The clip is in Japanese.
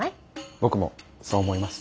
僕もそう思います。